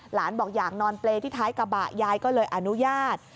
หลานบอกอยากนอนเปรย์ที่ท้ายกระบะยายก็เลยอนุญาต